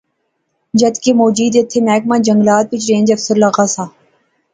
جد کہ مجید ایتھیں محکمہ جنگلات وچ رینج آفیسر لاغا سا